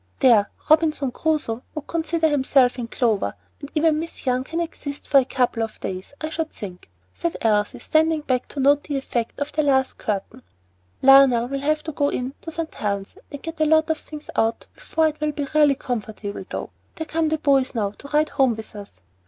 "There! Robinson Crusoe would consider himself in clover; and even Miss Young can exist for a couple of days, I should think," said Elsie, standing back to note the effect of the last curtain. "Lionel will have to go in to St. Helen's and get a lot of things out before it will be really comfortable, though. There come the boys now to ride home with us.